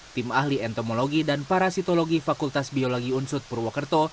tim ahli entomologi dan parasitologi fakultas biologi unsut purwokerto